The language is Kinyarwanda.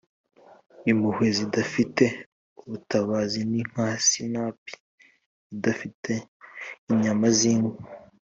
impuhwe zidafite ubutabazi ni nka sinapi idafite inyama zinka